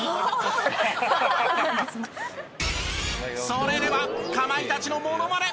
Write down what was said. それではかまいたちのモノマネ